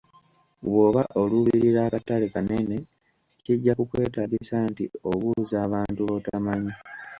Bw’oba oluubirira akatale kanene, kijja kukwetaagisa nti obuuza abantu b’otamanyi.